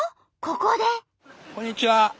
こんにちは。